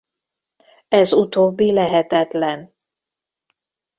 Ez utóbbi lehetetlen.